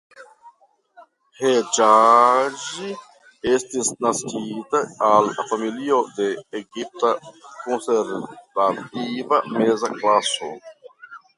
Ĥeĝazi estis naskita al familio de egipta konservativa meza klaso.